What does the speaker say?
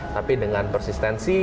tapi dengan persistensi